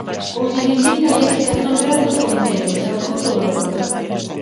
Voulles dicir cal é a situación real dos concellos, algúns do Bloque.